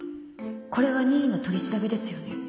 これは任意の取り調べですよね？